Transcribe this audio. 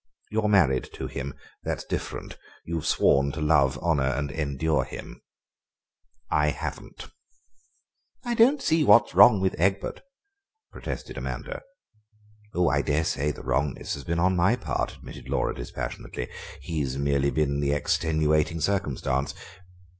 You're married to him—that's different; you've sworn to love, honour, and endure him: I haven't." "I don't see what's wrong with Egbert," protested Amanda. "Oh, I daresay the wrongness has been on my part," admitted Laura dispassionately; "he has merely been the extenuating circumstance.